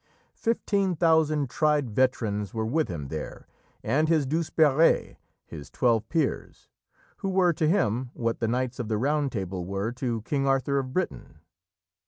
Fifteen thousand tried veterans were with him there, and his "Douzeperes" his Twelve Peers who were to him what the Knights of the Round Table were to King Arthur of Britain.